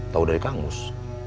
tau dari kamus